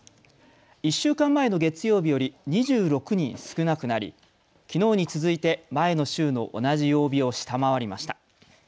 １週間前の月曜日より２６人少なくなりきのうに続いて前の週の同じ曜日を下回りました。